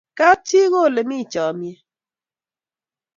kap chii ko ole mi chamiyet